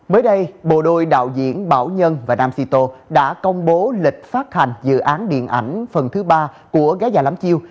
mới đây bộ đôi đạo diễn bảo nhân và nam sito đã công bố lịch phát hành dự án điện ảnh phần thứ ba của gái già lắm chiêu